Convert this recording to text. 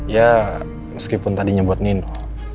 ya meskipun tadinya buat ninuh